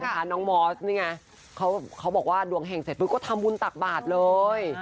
ค่ะน้องมอสนี่ไงเขาเขาบอกว่าดวงแห่งเสร็จมึงก็ทำบุญตักบาทเลย